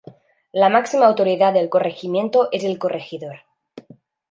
La máxima autoridad del corregimiento es el corregidor.